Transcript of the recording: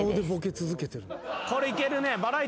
これいけるね。